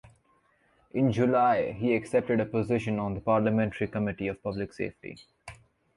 In July, he accepted a position on the parliamentary committee of public safety.